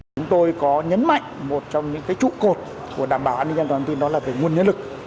chúng tôi có nhấn mạnh một trong những trụ cột của đảm bảo an ninh an toàn thông tin đó là về nguồn nhân lực